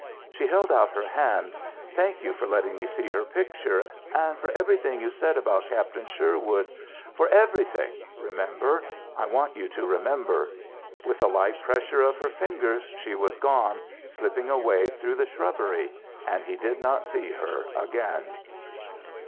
She held out her hand. "Thank you for letting me see her picture, and for everything you said about Captain Sherwood for everything, remember I want you to remember." With a light pressure of her fingers she was gone, slipping away through the shrubbery, and he did not see her again.